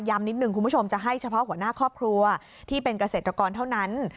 นิดนึงคุณผู้ชมจะให้เฉพาะหัวหน้าครอบครัวที่เป็นเกษตรกรเท่านั้น